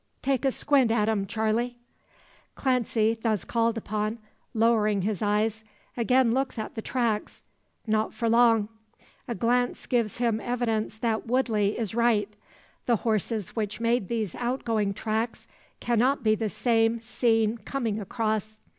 Take a squint at 'em, Charley." Clancy, thus called upon, lowering his eyes, again looks at the tracks. Not for long. A glance gives him evidence that Woodley is right. The horses which made these outgoing tracks cannot be the same seen coming across.